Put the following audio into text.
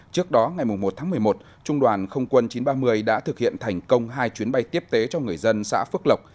trước đó ngày một tháng một mươi một trung đoàn không quân chín trăm ba mươi đã thực hiện thành công hai chuyến bay tiếp tế cho người dân xã phước lộc